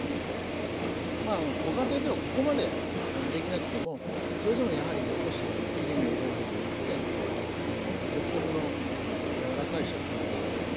まあご家庭ではここまでできなくてもそれでもやはり少し切り目を入れることによって独特のやわらかい食感になりますので。